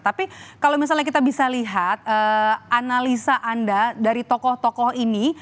tapi kalau misalnya kita bisa lihat analisa anda dari tokoh tokoh ini